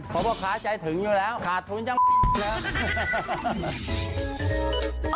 เพราะพ่อค้าใจถึงอยู่แล้วขาดทุนยังเหลือ